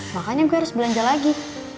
makanya gue harus belanja lagi